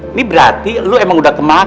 ini berarti lu emang udah kematian kan